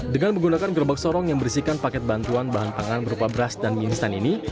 dengan menggunakan gerobak sorong yang berisikan paket bantuan bahan pangan berupa beras dan mie instan ini